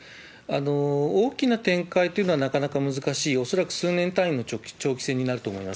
大きな展開というのはなかなか難しい、恐らく数年単位の長期戦になると思います。